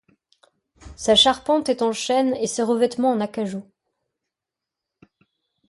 Sa charpente est en chêne et ses revêtements en acajou.